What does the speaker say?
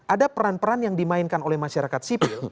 ada peran peran yang dimainkan oleh masyarakat sipil